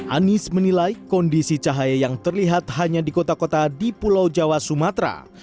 anies menilai kondisi cahaya yang terlihat hanya di kota kota di pulau jawa sumatera